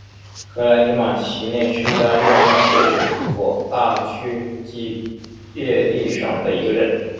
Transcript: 科莱迪马奇内是意大利阿布鲁佐大区基耶蒂省的一个镇。